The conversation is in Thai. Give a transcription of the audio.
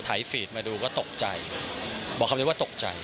ฟีดมาดูก็ตกใจบอกคำนี้ว่าตกใจ